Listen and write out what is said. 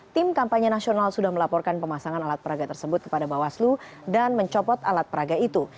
tim kampanye nasional sudah melaporkan pemasangan alat peraga tersebut kepada bawaslu dan mencopot alat peraga itu